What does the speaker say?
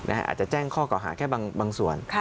อาจจะแจ้งข้อเก่าหาแค่บางส่วน